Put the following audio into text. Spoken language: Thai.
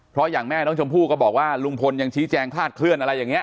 เพราะอย่างแม่น้องชมพู่ก็บอกว่าลุงพลยังชี้แจงคลาดเคลื่อนอะไรอย่างนี้